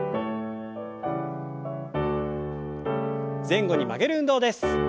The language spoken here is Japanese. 前後に曲げる運動です。